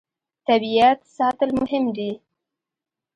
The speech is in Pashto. طبیعت ساتل مهم دي.